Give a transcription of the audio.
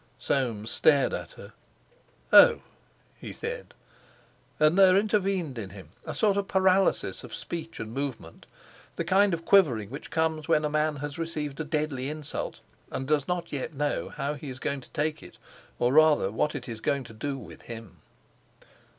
Soames stared at her. "Oh!" he said. And there intervened in him a sort of paralysis of speech and movement, the kind of quivering which comes when a man has received a deadly insult, and does not yet know how he is going to take it, or rather what it is going to do with him.